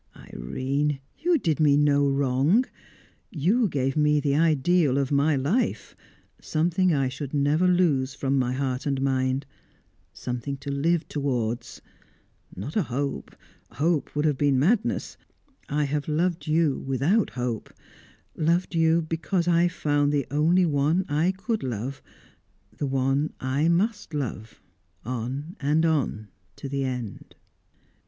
Irene, you did me no wrong. You gave me the ideal of my life something I should never lose from my heart and mind something to live towards! Not a hope; hope would have been madness. I have loved you without hope; loved you because I had found the only one I could love the one I must love on and on to the end."